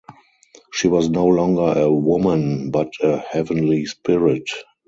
She was no longer a woman but a heavenly spirit.